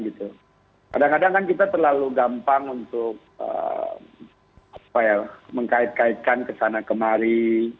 kadang kadang kan kita terlalu gampang untuk mengkait kaitkan kesana kemari